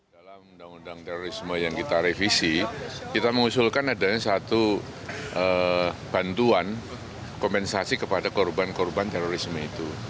dalam undang undang terorisme yang kita revisi kita mengusulkan adanya satu bantuan kompensasi kepada korban korban terorisme itu